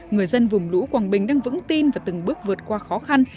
người dân vùng lũ quảng bình đang vững tin và từng bước vượt qua khó khăn